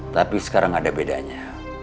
tapi sekarang ada bedanya